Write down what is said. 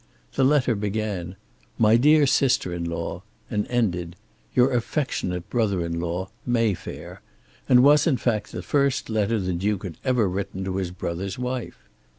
The letter began "My dear sister in law," and ended "Your affectionate brother in law, Mayfair," and was in fact the first letter that the Duke had ever written to his brother's wife.